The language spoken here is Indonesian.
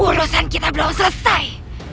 urusan kita belum selesai